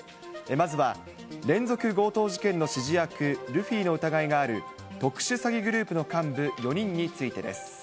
まずは、連続強盗事件の指示役、ルフィの疑いのある特殊詐欺グループの幹部４人についてです。